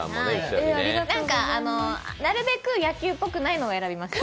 なるべく野球っぽくないものを選びました。